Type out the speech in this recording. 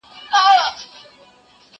زه به اوږده موده چايي څښلي؟